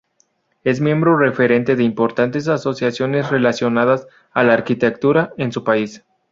Es miembro referente de importantes asociaciones relacionadas a la arquitectura en su país.